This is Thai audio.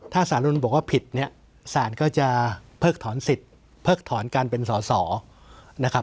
ถ้าสารนุนบอกว่าผิดเนี่ยสารก็จะเพิกถอนสิทธิ์เพิกถอนการเป็นสอสอนะครับ